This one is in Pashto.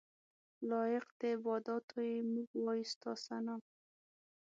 لایق د عباداتو یې موږ وایو ستا ثناء.